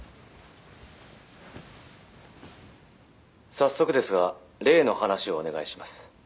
「早速ですが例の話をお願いします」